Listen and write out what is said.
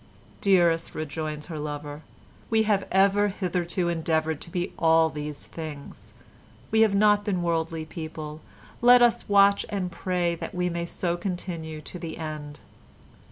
"Dearest," rejoined her lover, "we have ever hitherto endeavoured to be all of these things; we have not been worldly people; let us watch and pray that we may so continue to the end."